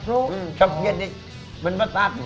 แล้วก่อนที่